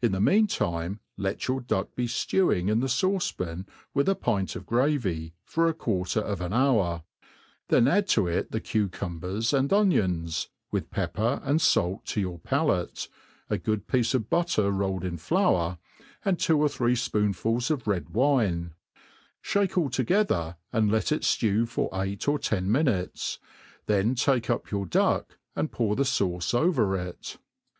In the mean time let your duck be ftewing in the fauce pan with a pint of gravy j for a quarter of an hour ^ then add to it the cucumbers X and onions, with pepper and fait to your palate, •a good piece of butter rolled in flour^ and two or three fpoon fuls of red wine; ihake all together, and let it ftew for eight jor ten aiinutes; then take up your duck, and pour the fauce over it.